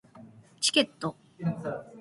チケット